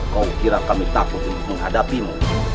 kau kira kami takut untuk menghadapimu